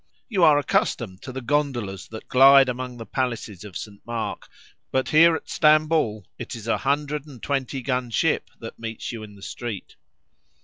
You are accustomed to the gondolas that glide among the palaces of St. Mark, but here at Stamboul it is a 120 gun ship that meets you in the street.